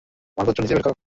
মালপত্র নিচে বের কর।